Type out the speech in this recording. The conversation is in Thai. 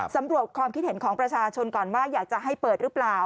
สำรวจความคิดเห็นของประชาชนก่อนว่าอยากจะให้เปิดหรือเปล่า